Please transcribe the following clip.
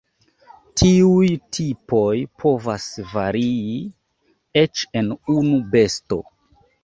Tiuj tipoj povas varii eĉ en unu besto.